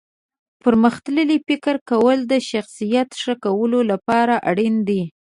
پرمختللي فکر کول د شخصیت ښه کولو لپاره اړین دي.